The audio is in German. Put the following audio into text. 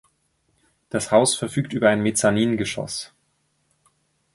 Das Haus verfügt über ein Mezzaningeschoss.